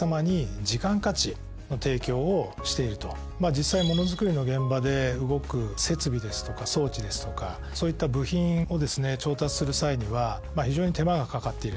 実際ものづくりの現場で動く設備ですとか装置ですとかそういった部品をですね調達する際には非常に手間がかかっていると。